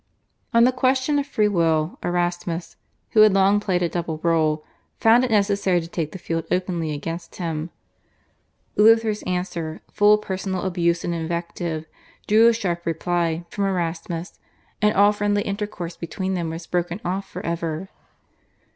On the question of free will Erasmus, who had long played a double role, found it necessary to take the field openly against him. Luther's answer, full of personal abuse and invective, drew a sharp reply from Erasmus, and all friendly intercourse between them was broken off for ever.